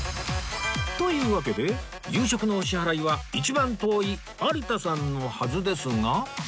というわけで夕食のお支払いは一番遠い有田さんのはずですが